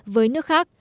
với nước khác